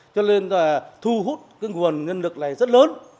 cho nên thu hút nguồn nhân lực này rất lớn